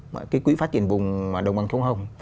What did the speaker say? cái quỹ phát triển vùng đồng bằng thông hồng